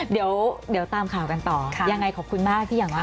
เดี๋ยวตามข่าวกันต่อยังไงขอบคุณมากที่อย่างว่า